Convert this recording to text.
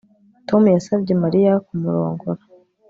Tom yasabye Mariya kumurongora